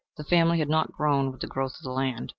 The family had not grown with the growth of the land.